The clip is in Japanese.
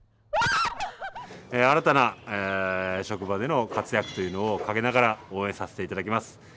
新たな職場での活躍というのを陰ながら応援させていただきます。